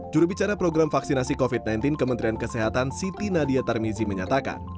jurubicara program vaksinasi covid sembilan belas kementerian kesehatan siti nadia tarmizi menyatakan